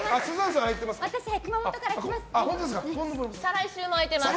私、熊本から来ます。